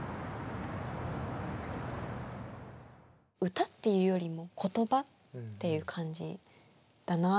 歌っていうよりも言葉っていう感じだなって私は思ってて。